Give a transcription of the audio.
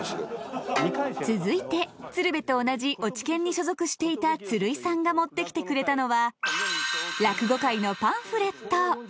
続いて鶴瓶と同じ落研に所属していた鶴井さんが持ってきてくれたのはこれ。